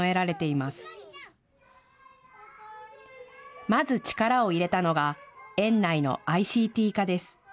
まず力を入れたのが園内のＩＣＴ化です。